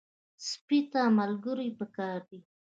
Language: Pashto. سپي ته ملګري پکار دي.